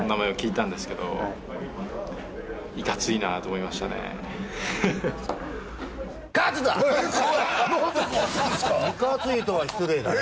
いかついとは失礼だね。